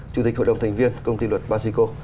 chủ tịch hội đồng thành viên công ty luật basico